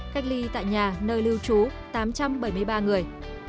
cách ly tại nhà nơi lưu trú tám trăm bảy mươi ba người